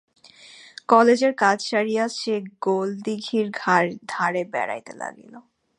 কালেজের কাজ সারিয়া সে গোলদিঘির ধারে বেড়াইতে লাগিল।